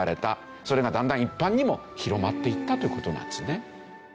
それがだんだん一般にも広まっていったという事なんですね。